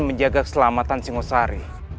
menjaga keselamatan singosari